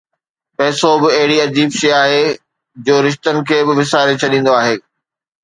پئسو به اهڙي عجيب شيءِ آهي جو رشتن کي به وساري ڇڏيندو آهي